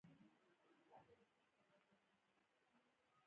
زه بېرته د جګړن خزې ته ورغلم، چې ډوډۍ وپوښتم.